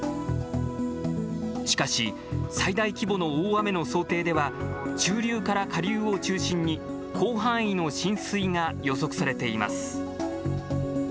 しかし最大規模の大雨の想定では中流から下流を中心に広範囲の浸水が予測されています。